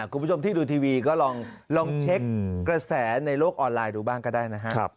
คุณผู้ชมที่ดูทีวีก็ลองเช็คกระแสในโลกออนไลน์ดูบ้างก็ได้นะครับ